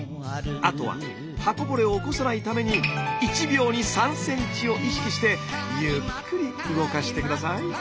あとは刃こぼれを起こさないために１秒に３センチを意識してゆっくり動かして下さい。